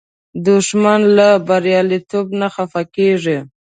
دښمن له بریالیتوب نه خفه کېږي